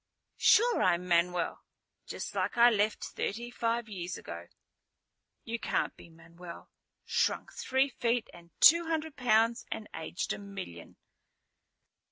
"Sure, I'm Manuel. Just like I left, thirty five years ago." "You can't be Manuel, shrunk three feet and two hundred pounds and aged a million."